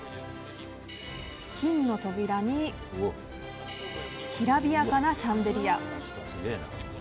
金の扉にきらびやかなシャンデリア。